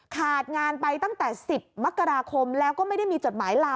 ขาดงานไปตั้งแต่๑๐มกราคมแล้วก็ไม่ได้มีจดหมายลา